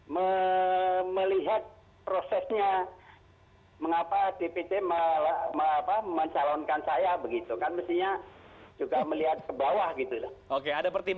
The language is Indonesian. menunjukkan untuk dpp